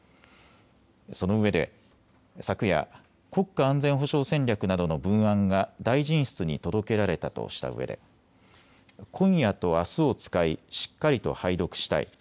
そのうえで昨夜、国家安全保障戦略などの文案が大臣室に届けられたとしたうえで今夜とあすを使いしっかりと拝読したい。